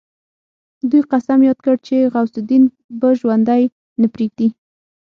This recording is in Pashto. دوی قسم ياد کړ چې غوث الدين به ژوندی نه پريږدي.